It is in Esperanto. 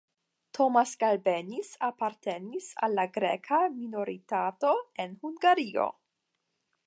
Tomasz Galbenisz apartenis al la greka minoritato en Hungario.